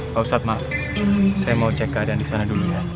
pak ustadz maaf saya mau cek keadaan di sana dulu ya